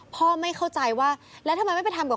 ไม่เข้าใจว่าแล้วทำไมไม่ไปทำกับ